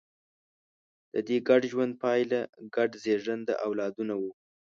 د دې ګډ ژوند پایله ګډ زېږنده اولادونه وو.